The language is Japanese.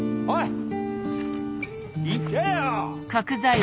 おい。